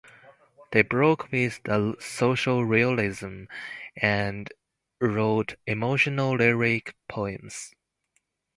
They broke with the Social Realism, and wrote emotional, lyric poems.